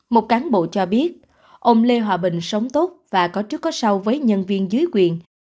một cán bộ cho biết ông lê hòa bình sống tốt và có trước có sau với nhân viên dưới quyền